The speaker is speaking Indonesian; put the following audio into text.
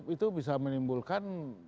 itu bisa menimbulkan